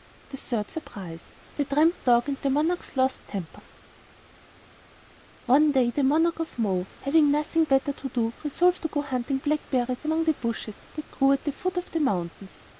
The Third Surprise THE TRAMP DOG AND THE MONARCH'S LOST TEMPER One day the Monarch of Mo, having nothing better to do, resolved to go hunting blackberries among the bushes that grew at the foot of the mountains.